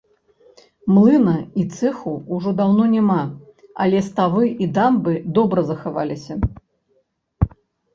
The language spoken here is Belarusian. Млына і цэху ўжо даўно няма, але ставы і дамбы добра захаваліся.